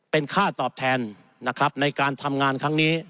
เป็นค่าตอบแทนนะครับ